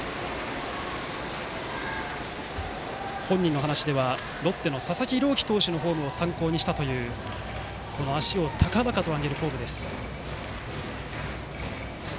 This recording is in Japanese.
本人の話では、ロッテの佐々木朗希投手のフォームを参考にしたという足を高々と上げるフォームです。